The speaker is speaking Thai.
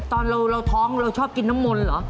ตอนเราท้องเราชอบกินน้ำมนต์เหรอ